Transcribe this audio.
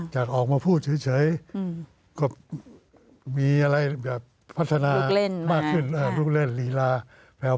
จากออกมาพูดเฉยก็มีอะไรแบบพัฒนามากขึ้นลูกเล่นฬีราแผ่ว